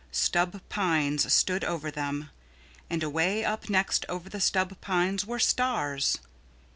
Stub pines stood over them. And away up next over the stub pines were stars.